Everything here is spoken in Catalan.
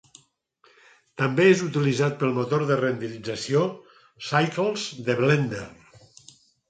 També és utilitzat pel motor de renderització Cycles de Blender.